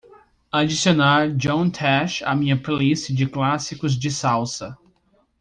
Adicionar John Tesh à minha playlist de clássicos de salsa